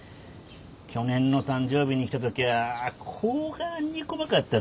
去年の誕生日に来たときゃあこがんにこまかったとけ。